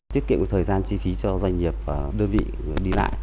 tiết kiệm thời gian chi phí cho doanh nghiệp và đơn vị đi lại